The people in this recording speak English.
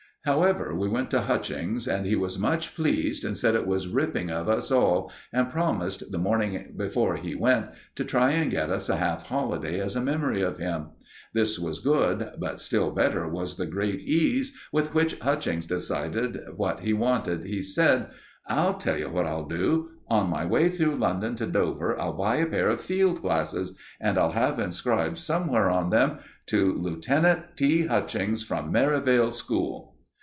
However, we went to Hutchings, and he was much pleased, and said it was ripping of us all, and promised, the morning before he went, to try and get us a half holiday as a memory of him. This was good, but still better was the great ease with which Hutchings decided what he wanted. He said: "I'll tell you what I'll do. On my way through London to Dover I'll buy a pair of field glasses, and I'll have inscribed somewhere on them 'To LIEUTENANT T. HUTCHINGS, FROM MERIVALE SCHOOL.